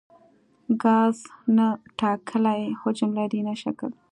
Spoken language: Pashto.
ګاز نه ټاکلی حجم لري نه شکل.